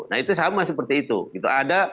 nah itu sama seperti itu gitu